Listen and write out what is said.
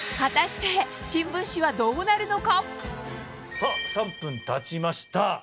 さぁ３分たちました。